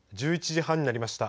１１時半になりました。